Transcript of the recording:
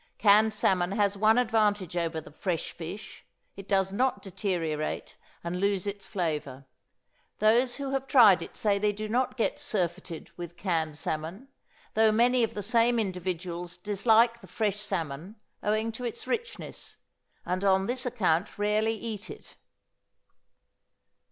Canned salmon has one advantage over the fresh fish: it does not deteriorate, and lose its flavor. Those who have tried it say they do not get surfeited with canned salmon, although many of the same individuals dislike the fresh salmon owing to its richness, and on this account rarely eat it.